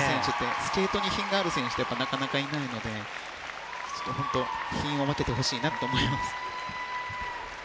スケートに品がある選手ってなかなかいないので本当、品を分けてほしいなと思います。